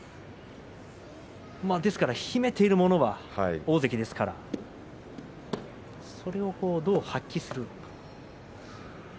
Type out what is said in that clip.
ですから秘めているものは大関ですからそれをどう発揮するか。